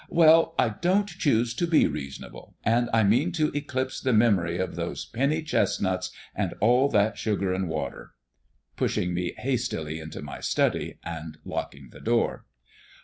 "Well, I don't choose to be reasonable, and I mean to eclipse the memory of those penny chestnuts and all that sugar and water!" (Pushing me hastily into my study, and locking the door.)